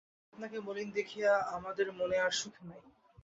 আপনাকে মলিন দেখিয়া আমাদের মনে আর সুখ নাই।